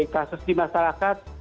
kasus di masyarakat